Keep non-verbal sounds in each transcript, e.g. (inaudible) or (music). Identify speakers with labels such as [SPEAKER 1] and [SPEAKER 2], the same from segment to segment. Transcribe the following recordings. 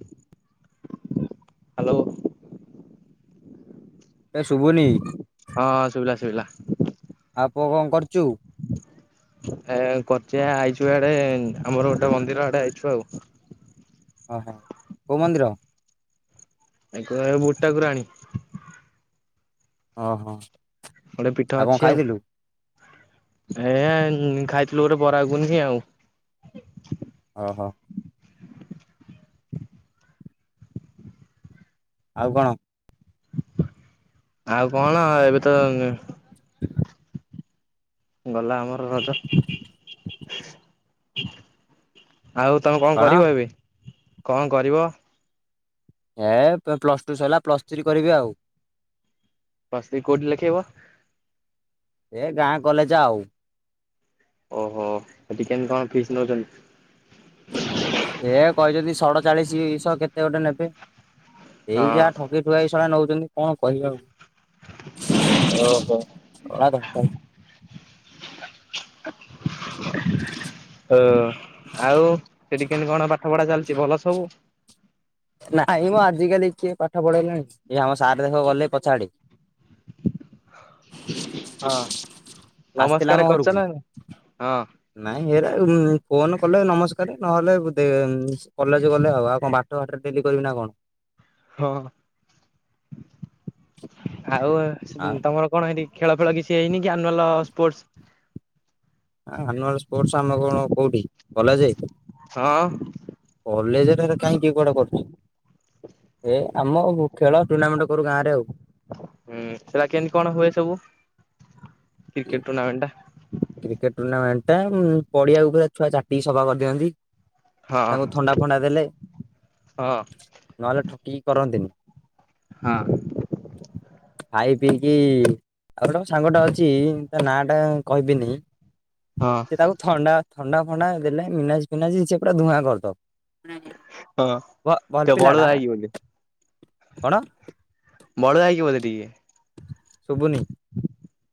[SPEAKER 1] ହ ହ୍ୟାଲୋ।
[SPEAKER 2] ଏ ଶୁଭୁନି।
[SPEAKER 1] ହଁ ଶୁଭିଲା ଶୁଭିଲା।
[SPEAKER 2] ଆଉ ପୁଅ କଣ କରୁଛୁ?
[SPEAKER 1] ଏ କରଚି ଆଇଛୁ ଆଡେ ଆମର ଗୋଟେ ମନ୍ଦିର ଆଡେ ଆଇଛୁ ଆଉ।
[SPEAKER 2] ଓହୋ କୋଉ ମନ୍ଦିର?
[SPEAKER 1] ଆ କହ ବୁଢୀ ଠାକୁରାଣୀ।
[SPEAKER 2] ଅହୋ
[SPEAKER 1] ଗୋଟେ ପିଠ ଅଛି ଆଉ ଏ ଖାଇଥିଲୁ ଗୋଟେ ବରା ଘୁଗୁନି ଆଉ।
[SPEAKER 2] ଓହୋ ଆଉ କଣ?
[SPEAKER 1] ଆଉ କଣ ଏବେ ତ
[SPEAKER 2] (inaudible)
[SPEAKER 1] ଗଲା ଆମର ରଜ ଆଉ ତମେ କଣ କରିବ ଏବେ କଣ କରିବ?
[SPEAKER 2] ଏ ପ୍ଲସ୍ ଟୁ ସରିଲା ପ୍ଲସ୍ ଥ୍ରୀ କରିବି ଆଉ।
[SPEAKER 1] ପ୍ଲସ ଥୀ କୋଉଠି ଲେଖେଇବ?
[SPEAKER 2] ଏ ଗାଁ କଲେଜ୍ ଆଉ।
[SPEAKER 1] ଓହୋ ସେଠିକ କେମିତି କଣ ଫିସ୍ ନେଉଛନ୍ତି?
[SPEAKER 2] ଏ କହିଛନ୍ତି ସଡ଼ ଚାଳିଶଶହ କେତେ ଗୋଟେ ନେବେ ଏଇ ଯାହା
[SPEAKER 1] ହଁ
[SPEAKER 2] ଠକେଇ ଶୁଆଇ ଶଳ ନଉଛନ୍ତି କଣ କହିବା ଆଉ।
[SPEAKER 1] ଓହୋ (inaudible) ଓ ଆଉ
[SPEAKER 2] ଆଉ
[SPEAKER 1] ସେଠିକି କେମିତି କଣ ପାଠ ପଢ଼ା ଚାଲିଛି ଭଲ ସବୁ?
[SPEAKER 2] ନାଇଁ ମ ଆଜିକାଲି କିଏ ପାଠ ପଢ଼େଇଲାଣି ଇଏ ଆମ ସାର୍ ଦେଖ ଗଲେ ପଛ ଆଡ଼େ।
[SPEAKER 1] ହଁ
[SPEAKER 2] ଆସିଥିଲା
[SPEAKER 1] ନମସ୍କାର
[SPEAKER 2] ଆମ
[SPEAKER 1] କରୁଛ
[SPEAKER 2] ଘରକୁ।
[SPEAKER 1] ନା ନାଇଁ ହଁ
[SPEAKER 2] ନାଇଁ ଏରା ଫୋନ କଲେ ନମସ୍କାର ନହେଲେ କଲେଜ୍ ଗଲେ ଆଉ କଣ। ଡେଲି କରିବି ନା କଣ (unintelligible)
[SPEAKER 1] ହଁ ଆଉ
[SPEAKER 2] ଆଉ
[SPEAKER 1] ତମର କଣ ହେଠି ଖେଳ ଫେଳ କିଛି ହେଇନି କି ଆନୁଆଲ୍ ସ୍ପୋର୍ଟସ୍?
[SPEAKER 2] ଆନୁଆଲ ସ୍ପୋର୍ଟ ଆମେ କଣ କୋଉଠି କଲେଜ୍ ହେ।
[SPEAKER 1] ହଁ-
[SPEAKER 2] କଲେଜ୍ ରେ କାଇଁ କିଏ କୁଆଡେ଼ କରୁଛି। ଏ ଆମ ଖେଳ ଟୁର୍ଣ୍ଣାମେଣ୍ଟ କରୁ ଗାଁ ରେ ଆଉ।
[SPEAKER 1] ହୁଁ ସେଟା କେମିତି କଣ ହୁଏ ସବୁ କ୍ରିକେଟ ଟୁଣାମେଣ୍ଟ ଟା?
[SPEAKER 2] କ୍ରିକେଟ ଟୁର୍ଣ୍ଣାମେଣ୍ଟ ଟା ପଡ଼ିଆକୁ ଛୁଆ ଚାଟିକି ସଫା କରିଦିଅନ୍ତି।
[SPEAKER 1] ହଁ
[SPEAKER 2] ତାଙ୍କୁ ଥଣ୍ଡା ଫଣ୍ଡା ଦେଲେ
[SPEAKER 1] ହଁ
[SPEAKER 2] ନହେଲେ ଠକିକି କରନ୍ତିନି।
[SPEAKER 1] ହଁ
[SPEAKER 2] ଖାଇ ପିଇକି ଆଉ ଗୋଟ ସାଙ୍ଗ ଟା ଅଛି ତା ନା ଟା କହିବିନି
[SPEAKER 1] ହଁ
[SPEAKER 2] ସେ ତାକୁ ଥଣ୍ଡା ଥଣ୍ଡା ଫଣ୍ଡା ଦେଲେ ମିନାଜୀ ଫିନାଜି ସେ ପୁରା ଧୂଆଁ କରିଦବ।
[SPEAKER 1] ହଁ
[SPEAKER 2] ବ ଭଲ
[SPEAKER 1] ଟିକେ ବଳୁଆ
[SPEAKER 2] ପିଲାଟା
[SPEAKER 1] ହେଇକି ବୋଧେ
[SPEAKER 2] କଣ।
[SPEAKER 1] ବଳୁଆ ହେଇକି ବୋଧେ ଟିକେ
[SPEAKER 2] ଶୁଭୁନି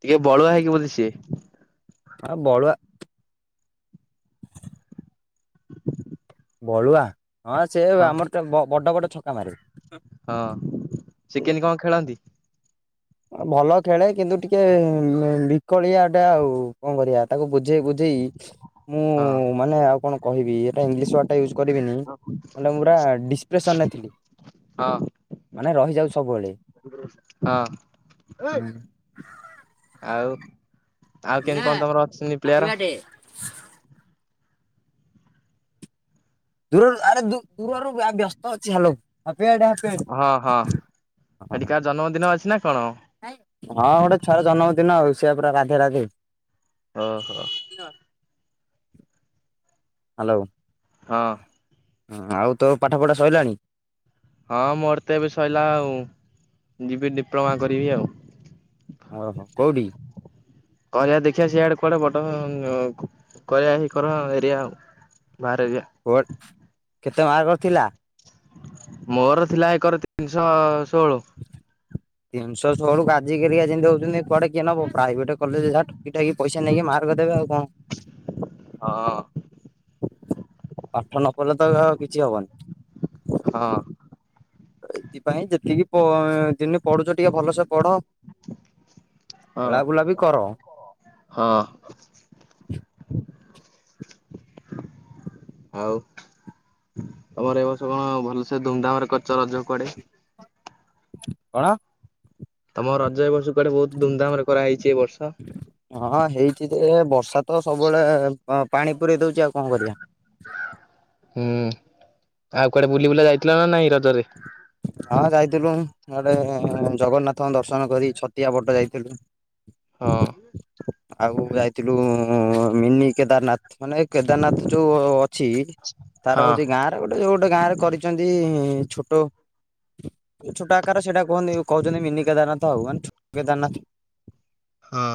[SPEAKER 1] ଟିକେ ବଳୁଆ ହେଇକି ବୋଧେ ସିଏ।
[SPEAKER 2] ଆଉ ବଳୁଆ ବଳୁଆ ହଁ ସେ ଆମର ତ ବଡ ବଡ ଛକା ମାରିବ।
[SPEAKER 1] ହଁ ସେ କେମତି କଣ ଖେଳନ୍ତି?
[SPEAKER 2] ଭଲ ଖେଳେ କିନ୍ତୁ ଟିକେ ବିକଳିଆ ଟା ଆଉ କଣ କରିବା। ତାକୁ ବୁଝେଇ ବୁଝେଇ ମୁଁ
[SPEAKER 1] ହଁ
[SPEAKER 2] ମାନେ ଆଉ କଣ କହିବି ଏଟା ଇଂଲିଶ ୱାର୍ଡ ଟା ଇଉଜ୍- କରିବିନେଇଁ ମଣ୍ଡ ମୁରା ଡିସପ୍ରେସନରେ ଥିଲି।
[SPEAKER 1] ହଁ
[SPEAKER 2] ମାନେ ରହିଯାଉ ସବୁବେଳେ।
[SPEAKER 1] ହଁ
[SPEAKER 2] ହାପି
[SPEAKER 1] ଆଉ ଆଉ କେମିତି କଣ ତମର ଅଛନ୍ତି ପ୍ଲେୟର?
[SPEAKER 2] ବାଡେ। ଦୂରରୁ ଆରେ ଦୂ ଦୂରରୁ ବ୍ୟସ୍ତ ଅଛି ହାଲୋ ଅପେଡ଼ା।
[SPEAKER 1] ହଁ ହଁ ହେଟିକାହାର ଜନ୍ମଦିନ ଅଛି ନା କଣ?
[SPEAKER 2] ହଁ ଗୋଟେ ଛୁଆର ଜନ୍ମଦିନ ଆଉ। ସିଆ ପୁରା ରାଧେ ରାଧେ।
[SPEAKER 1] ଅହ
[SPEAKER 2] ହାଲୋ
[SPEAKER 1] ହଁ
[SPEAKER 2] ହଁ ଆଉ ତୋ ପାଠ ପଢା ସଇଲାଣି?
[SPEAKER 1] ହଁ ମୋର ତ ଏବେ ସଇଲା ଆଉ। ଯିବି ଡିପ୍ଲମା କରିବି ଆଉ।
[SPEAKER 2] ଓହୋ କୋଉଠି?
[SPEAKER 1] କହିବା ଦେଖିବା ସିଆଡେ କୁଆଡେ ବଡ ଗାଁ କୁ। କରିଆ ହିଁ କର ଏରିଆ ଆଉ ବାହ ଏରେ ଜୀଆ।
[SPEAKER 2] ବଟ କେତେ ମାର୍କର ଥିଲା?
[SPEAKER 1] ମୋର ଥିଲା ଏକର ତିନିଶହ ଷୋହଳ।
[SPEAKER 2] (unintelligible) ତିନିଶହ ଷୋହଳ ଆଜିି କାଲିକା ଯେମିଟିହୋଉଚନ୍ତି କୁଆଡେ କିଏ ନବ। ପ୍ରଇଭେଟ କଲେଜ ଯାହା ଠକି ଠାକି ପଇସା ନେଇକି ମାର୍ଗ ଦେବେ ଆଉ କଣ।
[SPEAKER 1] ହଁ
[SPEAKER 2] ପାଠ ନପଲେ ତ ଆଉ କିଛି ହବନି।
[SPEAKER 1] ହଁ
[SPEAKER 2] ଏଥିପାଇଁ ଯେତିକି ପ ଦିନି ପଢୁଚ ଟିକେ ଭଲସ ପଢ।
[SPEAKER 1] ହଁ।
[SPEAKER 2] ଖେଳା ବୁଲା ବି କର।
[SPEAKER 1] ହଁ ଆଉ ଆମର ଏ ବର୍ଷ କଣ ଭଲସେ ଧୁମଧାମ ରେ କରଚ ରଜ କୁଆଡେ?
[SPEAKER 2] କଣ?
[SPEAKER 1] ତମ ରଜ ଏ ବର୍ଷ କୁଆଡେ ବହୁତ ଧୁମଧାମ ରେ କରା ହେଇଚି ଏ ବର୍ଷ?
[SPEAKER 2] ହଁ ହେଇଚି ଯେ ବର୍ଷା ତ ସବୁବେଳେ ପାଣି ପୁରେଇ ଦୋଉଚି ଆଉ କଣ କରିବା।
[SPEAKER 1] ହୁଁ ଆଉ କୁଆଡେ ବୁଲି ବୁଲା ଯାଇଥିଲ ନା ନାଇଁ ରଜରେ?
[SPEAKER 2] ହଁ ଯାଇଥିଲୁ ହ୍ୟାଡେ ଜଗନ୍ନାଥଙ୍କ ଦର୍ଶନ କରି ଛତିଆ ପଟ ଯାଇଥିଲୁ।
[SPEAKER 1] ହଁ
[SPEAKER 2] ଆଉ ଯାଇଥିଲୁ ମିନି କେଦାରନାଥ। ମାନେ କେଦାରନାଥ ଯୋଉ ଅଛି। ତାର
[SPEAKER 1] ହଁ
[SPEAKER 2] ହୋଉଚି ଗାଁରେ ଗୋଟେ ଗୋଟେ ଗାଁରେ କରିଚନ୍ତି ଛୋଟ। ଛୋଟ ଆକାର ସେଇଟା କୁହନ୍ତି କହୁଚନ୍ତି ମିନି କେଦାରନାଥ ଆଉ ଛୋଟ କେଦାରନାଥ।
[SPEAKER 1] ହଁ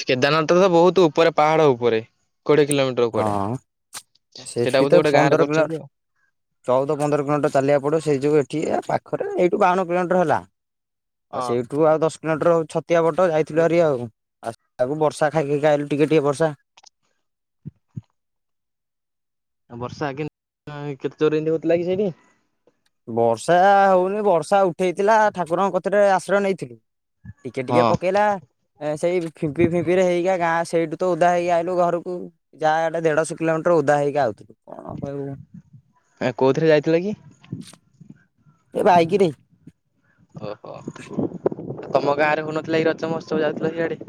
[SPEAKER 1] ସେ କେଦାରନାଥ ତ ବହୁତ ଉପରେ ପାହାଡ ଉପରେ। କୋଡିଏ କିଲୋମି
[SPEAKER 2] ହଁ ସେଠି ତ
[SPEAKER 1] ଗୋଟେ ଗାଁରେ
[SPEAKER 2] ପନ୍ଦର କିଲ
[SPEAKER 1] କରୁଛନ୍ତି ଆଉ।
[SPEAKER 2] ଚଉଦ ପନ୍ଦର କିଲୋମିଟର ଚାଲିବାକୁ ପଡ଼ିବ ସେଇ ଯୋଉ ଏଠି ପାଖରେ। ଏଇଠୁ ବାଉନ କିଲୋମିଟର ହେଲା। ହଁ ସେଇଠୁ ଆଉ ଦଶ କିଲୋମିଟର ଛତିଆ ପଟ ଯାଇଥିଲୁ ଆରି ଆଉ। ଆସ ତାକୁ ବର୍ଷା ଖାଇ ଖାଇକା ଖାଇଲୁ ଟିକେ ଟିକେ ବର୍ଷା।
[SPEAKER 1] ଆଉ ବର୍ଷା କେମ କେତେ ଚୋର ଏମତି ହୋଉଥିଲା କି ସେଇଠି?
[SPEAKER 2] ବର୍ଷା ହୋଉନି ବର୍ଷା ଉଠେଇଥିଲା ଠାକୁରଙ୍କ କତିରେ ଆଶ୍ରୟ ନେଇଥିଲି। ଟିକେ ଟିକେ
[SPEAKER 1] ହଁ
[SPEAKER 2] ପକେଇଲା। ସେଇ ଫିପି ଫିମ୍ପିରେ ହେଇଗା ଗାଁ ସେଇଠୁ ତ ଉଦା ହେଇକି ଆସଲୁ ଘରକୁ ଯାହା ଗଟା ଦେଢଶହ କିଲୋ ଟ ଉଦା ହେଇକି ଆାଉଥିଲୁ କଣ କହିବୁ।
[SPEAKER 1] ଏ କେଉଁଥିରେ ଯାଇଥିଲେ କି?
[SPEAKER 2] ଏ ବାଇକିରେ।
[SPEAKER 1] ଓହୋ ତମ ଗାଁରେ ହଉନଥିଲା ରଜ ମତ୍ସବ ଯାତ୍ରା ଇଆଡେ?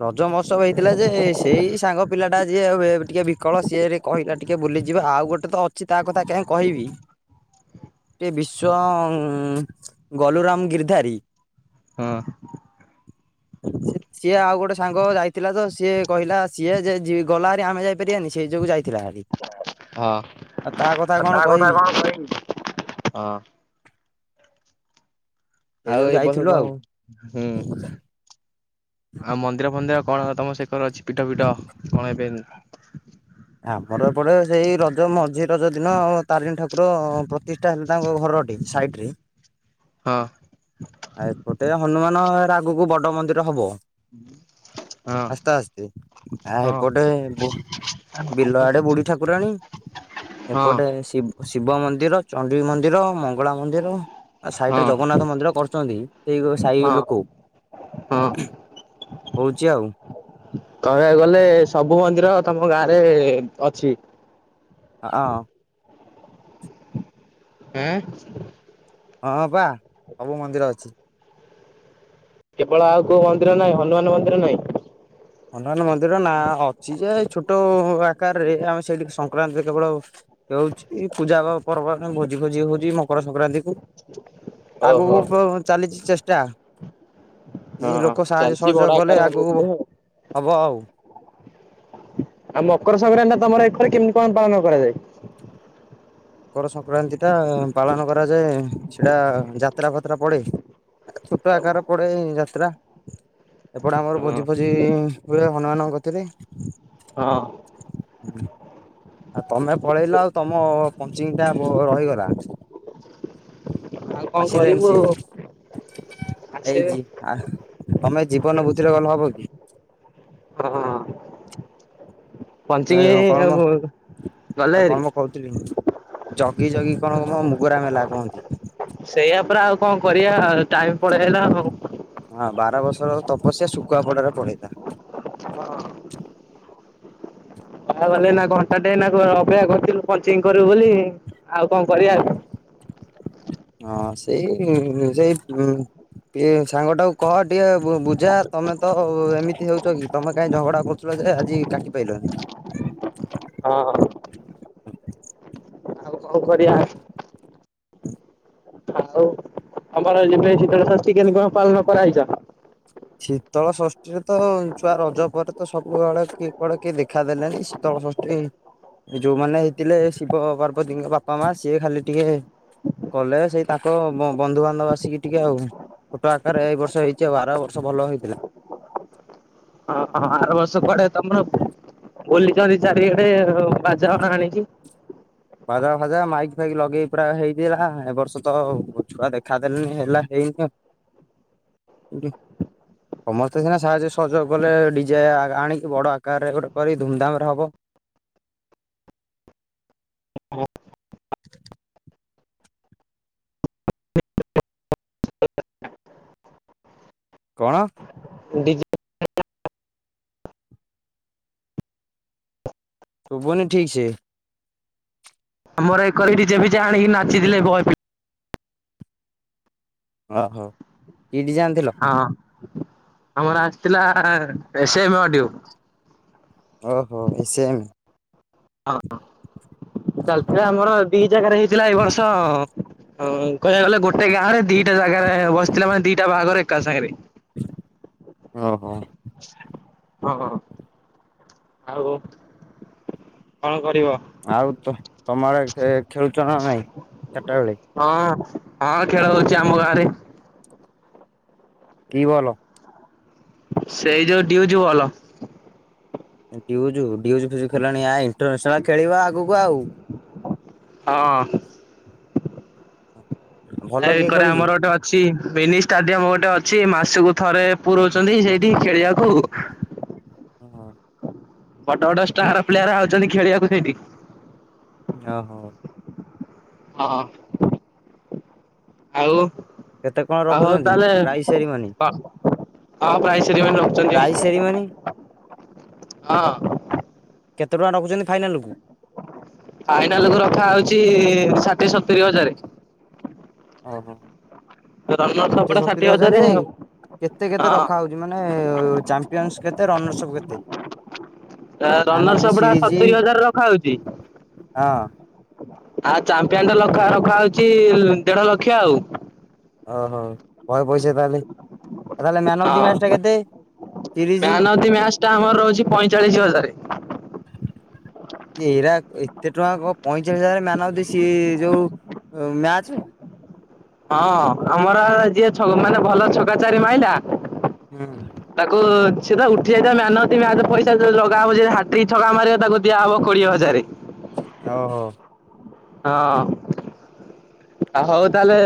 [SPEAKER 2] ରଜ ମହୋତ୍ସବ ହେଇଥିଲା ଯେ ସେଇ ସାଙ୍ଗ ପିଲା ଟା ଯିଏ ଟିକେ ବିକଳ ସିଏ କହିଲା ଟିକେ ବୁଲିଯିବା ଆଉ ଗୋଟେ ତ ଅଛି ତା କଥା କିଂହା କହିବି। ଗୋଟେ ବିଶ୍ଵ ଗଲୁରାମ ଗିର୍ଧାରୀ।
[SPEAKER 1] ହଁ
[SPEAKER 2] ଆ ସିଏ ଆଉ ଗୋଟେ ସାଙ୍ଗ ଯାଇଥିଲା ତ ସିଏ କହିଲା ସିଏ ଯେ ଗଲାରି ଆମେ ଯାଇପାରିବାନି ସେଇ ଯୋଗୁ ଯାଇଥିଲା ହେରି।
[SPEAKER 1] ହଁ ତା କଥା
[SPEAKER 2] କହିବି
[SPEAKER 1] କଣ କରିନି ହଁ।
[SPEAKER 2] ସେଇ ଯୋଉ
[SPEAKER 1] ଆଉ ଏଇ ବସୁ
[SPEAKER 2] ଯାଇଥିଲୁ ଆଉ।
[SPEAKER 1] କଣ ହୁଁ। ଆଉ ମନ୍ଦିର ଫନ୍ଦିର କଣ ତମ ସେକର ଅଛି ପିଠ ପିଠ କଣ ଏବେ
[SPEAKER 2] ଆମର ଏପଟେ ସେଇ ରଜ ମଝି ରଜ ଦିନ ତାରିଣୀ ଠାକୁର ପ୍ରତି ସେଟା ହେଲେ ତାଙ୍କ ଘରଟି ସାଇଟ ରେ
[SPEAKER 1] ହଁ
[SPEAKER 2] ଆଉ ଏପଟେ ହନୁମାନ ରା ଆଗକୁ ବଡ ମନ୍ଦିର ହବ।
[SPEAKER 1] ହଁ ହଁ
[SPEAKER 2] ଆସ୍ତେ ଆସ୍ତେ ଆ
[SPEAKER 1] ହଁ
[SPEAKER 2] ଏପଟେ ବିଲ ଆଡେ ବୁଢୀ ଠାକୁରାଣୀ ଏପଟେ ଶି ଶିବ ମନ୍ଦିର ଚଣ୍ଡୀ ମନ୍ଦିର ମଙ୍ଗଳା ମନ୍ଦିର
[SPEAKER 1] ହଁ।
[SPEAKER 2] ସାଇଟରେ ଜଗନ୍ନାଥ ମନ୍ଦିର କରୁଛନ୍ତି। ଏଇ ସାହି
[SPEAKER 1] ହଁ
[SPEAKER 2] ଲୋକ
[SPEAKER 1] ହଁ।
[SPEAKER 2] ହଉଛି ଆଉ।
[SPEAKER 1] କହିବାକୁ ଗଲେ ସବୁ ମନ୍ଦିର ତମ ଗାଁ ରେ ଅଛି।
[SPEAKER 2] ହ
[SPEAKER 1] ହେଁ
[SPEAKER 2] ହଁ ପା ସବୁ ମନ୍ଦିର ଅଛି।
[SPEAKER 1] କେବଳ ଆଉ କୋଉ ମନ୍ଦିର ନାହିଁ ହନୁମାନ ମନ୍ଦିର ନାହିଁ।
[SPEAKER 2] ହନୁମାନ ମନ୍ଦିର ନାଁ ଅଛି ଯେ ଛୋଟ ଆକାରରେ ଆମେ ସେଇଠିକି ସଂକ୍ରାନ୍ତି କେବଳ ହଉଛି ପୂଜା ପର୍ବ ଆ ଭୋଜି ଭୋଜି ହଉଛି ମକର ସଂକ୍ରାନ୍ତି--କୁ
[SPEAKER 1] ଓହୋ।
[SPEAKER 2] ଆଗକୁ କଣ ଚାଲିଛି ଚେଷ୍ଟା? କି
[SPEAKER 1] ହଁ
[SPEAKER 2] ଲୋକ ସାହାଯ୍ୟ
[SPEAKER 1] ଚାଲିଛି ବଡ
[SPEAKER 2] ସହଯୋଗ କଲେ
[SPEAKER 1] ଆକାରରେ ହବ
[SPEAKER 2] ଆଗକୁ
[SPEAKER 1] ବୋଧେ ଆଉ।
[SPEAKER 2] ହବ ଆଉ।
[SPEAKER 1] ଆଉ ମକର ସଂକ୍ରାନ୍ତି ଟା ତମର ଏରେ କେମିତି କଣ ପାଳନ କରାଯାଏ?
[SPEAKER 2] ମକର ସଂକ୍ରାନ୍ତି ଟା ପାଳନ କରାଯାଏ ସେଇଟା ଯାତ୍ରା ଫାତ୍ରା ପଡ଼େ। ଛୋଟ ଆକାର ପଡେ ଯାତ୍ରା। ଏପଟେ ଆମର
[SPEAKER 1] ହଁ
[SPEAKER 2] ଭୋଜି ଭୋଜି ହୁଏ ହନୁମାନଙ୍କ ଗତିରେ
[SPEAKER 1] ହଁ
[SPEAKER 2] ଆଉ ତମେ ପଳେଇଲ ଆଉ ତମ ପଞ୍ଚିଙ୍ଗଟା ମର ରହିଗଲା।
[SPEAKER 1] ଆଉ କଣ
[SPEAKER 2] ଆସିଲେଣି
[SPEAKER 1] କରିବୁ
[SPEAKER 2] ସି
[SPEAKER 1] ଆସେ
[SPEAKER 2] ଏଇଛି ଆ ତମେ ଜୀବନ ବୁଦ୍ଧିରେ ଗଲେ ହବ କି।
[SPEAKER 1] ହଁ ପଞ୍ଚିଙ୍ଗ ଆଉ ଗଲେ
[SPEAKER 2] (unintelligible)
[SPEAKER 1] ହେରି
[SPEAKER 2] କହୁଥିଲି ଜଗି ଜଗି କଣ କ ମୁଗରା ମେଲା କୁହନ୍ତି।
[SPEAKER 1] ସେଇଆ ପରା ଆଉ କଣ କରିବା ଟାଇମ ପଳେଇଲା।
[SPEAKER 2] ହଁ ବାର ବର୍ଷର ତପସ୍ୟା ଶୁଖୁଆ ପଡାରେ ପଳେଇଲା।
[SPEAKER 1] ହ ବାହା ନା ଘଣ୍ଟା ଟେ ଅପେକ୍ଷା କରିଥିଲୁ ପଞ୍ଚି କରିବୁ ବୋଲି ଆଉ କଣ କରିବା।
[SPEAKER 2] ହଁ, ସେଇ ସେଇ ଇଏ ସାଙ୍ଗ ଟାକୁ କହ ଟିକେ ଵୁ ବୁଝା, ତମେ ତ ଏମିତି ହଉଛ କି? ତମେ କାହିଁ ଝଗଡ଼ା କରୁଥିଲ ଯେ ଆଜି କାଟି ପାଇଲନି।
[SPEAKER 1] ହଁ ହଁ। କଣ କରିଆ? ଆଉ ଆମର ଯେବେ ଶୀତଳେ ଶଷ୍ଟି କେମିତି କଣ ପାଳନ କରାଇଚା।
[SPEAKER 2] ଶୀତଳ ଷଷ୍ଠୀରେ ତ ଛୁଆ ରଜ ପରେ ତ ସବୁବେଳେ କିଏ କୁଆଡେ କିଏ ଦେଖାଦେଲେନି। ସି ତ ସଷ୍ଟି ଯୋଉମାନେ ହେଇଥିଲେ ଶିବ ପାର୍ବତୀଙ୍କ ବାପା ମା ସିଏ ଖାଲି ଟିକେ କଲେ ସେଇ ତାଙ୍କ ବ ବନ୍ଧୁବାନ୍ଧବ ଆସିକି ଟିକେ ଆଉ, ଛୋଟ ଆକାରରେ ଏଇ ବର୍ଷ ହେଇଛି ଆଉ, ଆର ସବୁ ଭଲ ହେଇଥିଲା।
[SPEAKER 1] ହଁ ହଁ, ଆର ବର୍ଷ କୁଆଡେ ତମର ବୋଲିଛନ୍ତି ଚାରିଆଡେ ବାଜାବାଣ ଆଣିିକି।
[SPEAKER 2] ବାଜା ଫାଜା ମାଇକ୍ ଫାଇକ୍ ଲଗେଇ ପୁରା ହେଇଥିଲା ଏ ବର୍ଷ ତ ଛୁଆ ଦେଖାଦେଲେନି ହେଲା ହେଇନି ଆଉ। (unintelligible) ସମସ୍ତେ ସିନା ସାହାଯ୍ୟ ସହଯୋଗ କଲେ, ଡିଜେ ଆ ଆଣିକି ବଡ ଆକାରରେ ଗୋଟେ କରି ଧୁମଧାମ୍ ରେ ହବ। କଣ?
[SPEAKER 1] ଡିଜି
[SPEAKER 2] ଶୁଵୁନି ଠିକ୍ ସେ।
[SPEAKER 1] ଆମର ଏକଡି ଡିଯେ ଫିଜେ ଆଣିକି ନାଚିଥିଲେ ବଏ ଫି
[SPEAKER 2] ଓହୋ, କି ଡିଜେ ଆନିଥିଲ?
[SPEAKER 1] ପିଲା ହଁ, ଆମର ଆସିଥିଲା ଏ ସେମ୍ ଅଡିଓ।
[SPEAKER 2] ଓହୋ ଏସେଏମ୍।
[SPEAKER 1] ହଁ ଚାଲିତେ ଆମର ଦି ଜାଗାରେ ହେଇଥିଲା ଏଇ ବର୍ଷ ହଁ କହିବାକୁ ଗଲେ ଗୋଟେ ଗାଁ ରେ ଦିଟା ଜାଗାରେ ବସିଥିଲା ମାନେ ଦିଟା ବାହାଘର ଏକା ସାଙ୍ଗେରେ।
[SPEAKER 2] ଓ ହୋ
[SPEAKER 1] ହଁ, ହଁ ଆଉ କଣ କରିବ?
[SPEAKER 2] ଆଉ ତ ତମ ଆଡେ ଖେ ଖେଳୁଛ ନା ନାଇଁ ଚାଟା ବେଳେ।
[SPEAKER 1] ହଁ, ହଁ ଖେଳ ହଉଚି ଆମ ଗାଁରେ।
[SPEAKER 2] କି ବଲ୍?
[SPEAKER 1] ସେଇ ଯୋଉ ଡିଉ ଜୁ ବଲ।
[SPEAKER 2] ଡିଉଜୁ ଡିଉଜୁ ଫିଉଜୁ ଖେଲାଣି ଆଈ ଇଣ୍ଟରାସନାଲ ଖେଳିବା ଆଗକୁ ଆଉ।
[SPEAKER 1] ହଁ।
[SPEAKER 2] ଭଲ
[SPEAKER 1] ଆରେ
[SPEAKER 2] କିଏ
[SPEAKER 1] ଏକରେ
[SPEAKER 2] ଖେଳୁଛି?
[SPEAKER 1] ଆମର ଗୋଟେ ଅ ଛି ମିନି ଷ୍ଟାଡିୟମ ଗୋଟେ ଅଛି, ମାସକୁ ଥରେ ପୁ ରଉଛନ୍ତି ସେଇଠି ଖେଳିବାକୁ।
[SPEAKER 2] ହଁ।
[SPEAKER 1] ବଡ ବଡ ଷ୍ଟାର ପ୍ଲେୟାର ଆଉଛନ୍ତି ଖେଳିବାକୁ ସେଇଠି।
[SPEAKER 2] ଅ ହୋ।
[SPEAKER 1] ହଁଅ। ଆଉ
[SPEAKER 2] କେତେ କଣ
[SPEAKER 1] ଆଉ ହଉ
[SPEAKER 2] ରଖୁଛନ୍ତି
[SPEAKER 1] ତାହେଲେ ହ
[SPEAKER 2] ପ୍ରାଇଜ ସେରିମନି?
[SPEAKER 1] ହଁ ହଁ ପ୍ରାଇସେରିବନି ଆଉ।
[SPEAKER 2] Prize ceremony.
[SPEAKER 1] ହଁ।
[SPEAKER 2] କେତେ ଟଙ୍କା ରଖୁଛନ୍ତି ଫାଇନାଲ୍ କୁ?
[SPEAKER 1] ଫାଇନାଲ କୁ ରଖା ହଉଚି ଷାଠିଏ, ସତୁରି ହଜାରେ।
[SPEAKER 2] ଓହୋ
[SPEAKER 1] ରନର୍
[SPEAKER 2] ଷାଠିଏ
[SPEAKER 1] ସପଟା ଷାଠିଏ
[SPEAKER 2] ସତୁୁରୀ ହଜାର
[SPEAKER 1] ହଜାରେ
[SPEAKER 2] ଯେ
[SPEAKER 1] ଆଉ।
[SPEAKER 2] କେତେ କେତେ
[SPEAKER 1] ହଁ
[SPEAKER 2] ରଖାଉ ଏ ମାନେ ଚାପିୟନସ କେତେ ରନରସଅପ ସବୁ କେତେ?
[SPEAKER 1] ଅ
[SPEAKER 2] ମ୍ୟାନ ଅଫ ଦି
[SPEAKER 1] ରନରସଅପଗୁଡା
[SPEAKER 2] ସିରିଜ
[SPEAKER 1] ସତୁରି ହଜାର ରଖା ହଉଚି।
[SPEAKER 2] ହଁ
[SPEAKER 1] ଆଉ ଚାମ୍ପିୟନ ଟା ରଖା ରଖାହଉଛି ଦେଢ ଲକ୍ଷ ଆଉ।
[SPEAKER 2] ଅ ହ ବହେ ପଇସା ତାଆଲେ?
[SPEAKER 1] ହଁ
[SPEAKER 2] ସିରିଜ
[SPEAKER 1] ମ୍ୟାନଅଫ ଦି ମ୍ୟାଚଟା ଆମର ରହୁଛି ପଇଁଚାଳିଶ ହଜାରେ।
[SPEAKER 2] ଏଇରା ଏତେ ଟଙ୍କା କଣ ପଇଁଚାଳିଶ ହଜାର ମ୍ୟାନ ଅଫ ଦି ସି ଯୋଉ ଓ ମ୍ୟାଚେ।
[SPEAKER 1] ହଁ ଆମର ଯିଏ ଛ ମାନେ ଭଲ ଛକା ଚାରି ମାଇଲା
[SPEAKER 2] ହୁଁ।
[SPEAKER 1] ତାକୁ ସେ ତ ଉଠି ଯାଇଥାଏ ମ୍ୟାନ ଅଫ ଦି ମ୍ୟାଚ ପଇସା ଯଦି ଲଗା ହବ ଯେ ହାଟ୍ରିକ ଛକା ମାରିବ ତାକୁ ଦିଆହବ କୋଡିଏ ହଜାରେ।
[SPEAKER 2] ଓହୋ।
[SPEAKER 1] ହଁ। ଆ ହଉ ତାହେଲେ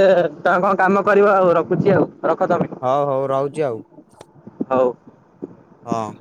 [SPEAKER 1] ତମେ କଣ କାମ କରିବ ଆଉ ରଖୁଛି ଆଉ ରଖ ତମେ।
[SPEAKER 2] ହ ହଉ ରଉଛି ଆଉ।
[SPEAKER 1] ହଉ।
[SPEAKER 2] ହଁ।